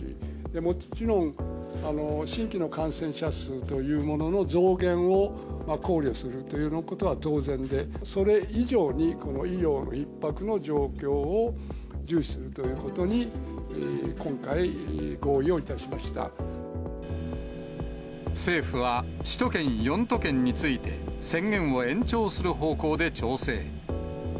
もちろん新規の感染者数というものの増減を考慮するというようなことは当然で、それ以上に、この医療のひっ迫の状況を重視するということに、今回、合意をい政府は、首都圏４都県について、宣言を延長する方向で調整。